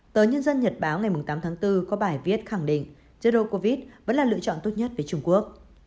tờ nhân dân nhật báo ngày tám tháng bốn có bài viết khẳng định jerdo covid vẫn là lựa chọn tốt nhất với trung quốc